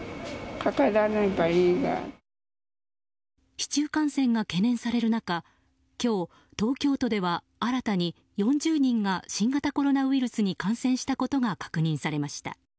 市中感染が懸念される中今日、東京都では新たに４０人が新型コロナウイルスに感染したことが確認されました。